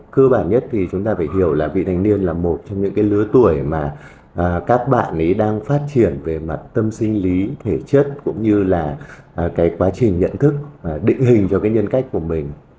cơ bản nhất thì chúng ta phải hiểu là vị thành niên là một trong những cái lứa tuổi mà các bạn ấy đang phát triển về mặt tâm sinh lý thể chất cũng như là cái quá trình nhận thức định hình cho cái nhân cách của mình